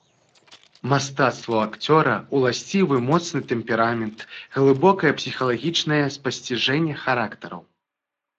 Мастацтву акцёра ўласцівы моцны тэмперамент, глыбокае псіхалагічнае спасціжэнне характараў.